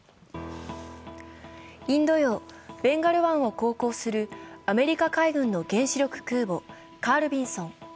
インド洋ベンガル湾を航行するアメリカ海軍の原子力空母「カール・ビンソン」。